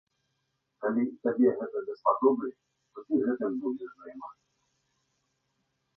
Калі табе гэта даспадобы, то ты гэтым будзеш займацца.